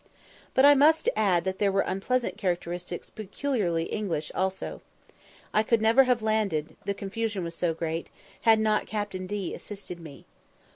But I must add that there were unpleasant characteristics peculiarly English also. I could never have landed, the confusion was so great, had not Captain D assisted me.